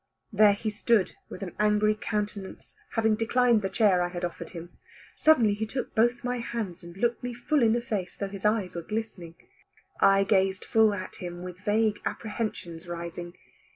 There he stood, with an angry countenance, having declined the chair I had offered him. Suddenly he took both my hands and looked me full in the face, though his eyes were glistening. I gazed full at him, with vague apprehensions rising.